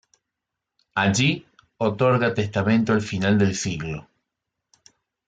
Allí otorga testamento al final del siglo.